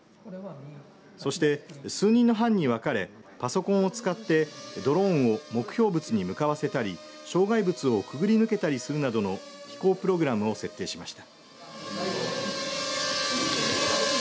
そして、数人の班に分かれパソコンを使ってドローンを目標物に向かわせたり障害物をくぐり抜けたりするなどの飛行プログラムを設定しました。